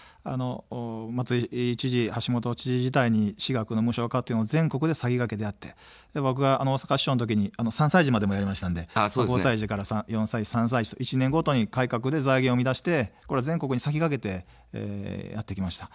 松井知事、橋下知事時代に私学の無償化というのを全国で先駆けてやって僕が大阪市長の時に３歳児までやりましたので、５歳児から４歳児、３歳児と１年ごとに改革で財源を生み出して全国に先駆けてやってきました。